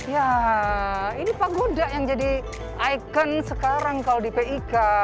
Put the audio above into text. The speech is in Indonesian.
ya ini paguda yang jadi ikon sekarang kalau di pik